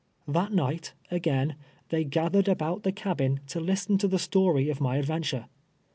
That night, again, they gath ered aljout the cabin to listen to the story of my adventure.